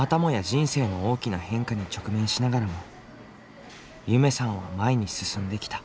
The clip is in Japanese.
人生の大きな変化に直面しながらも夢さんは前に進んできた。